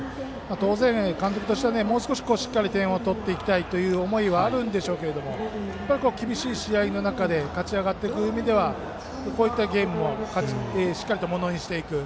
当然、監督としてはもう少ししっかり点を取っていきたい思いがあるんでしょうけど厳しい試合の中で勝ち上がっていく面ではこういったゲームもものにしていく。